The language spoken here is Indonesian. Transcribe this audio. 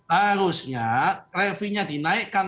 harusnya levy nya dinaikkan